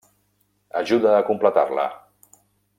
Ajuda a completar-la!